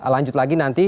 lanjut lagi nanti